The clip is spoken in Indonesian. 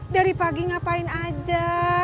dari pagi ngapain aja